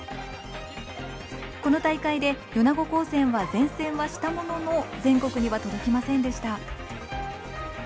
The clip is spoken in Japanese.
この大会で米子高専は善戦はしたものの全国には届きませんでした。